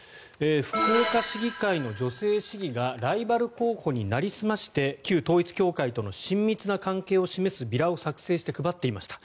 福岡市議会の女性市議がライバル候補になりすまして旧統一教会との親密な関係を示すビラを作成して配っていました。